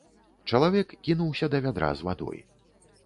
Чалавек кінуўся да вядра з вадой.